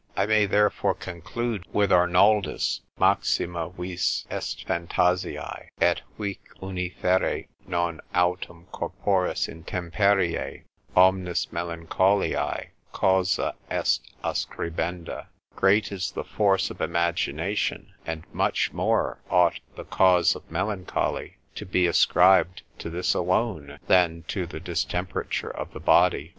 I may therefore conclude with Arnoldus, Maxima vis est phantasiae, et huic uni fere, non autem corporis intemperiei, omnis melancholiae causa est ascribenda: Great is the force of imagination, and much more ought the cause of melancholy to be ascribed to this alone, than to the distemperature of the body.